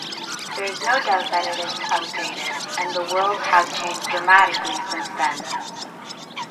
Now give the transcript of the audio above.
There is no doubt that it is outdated, and the world has changed dramatically since then.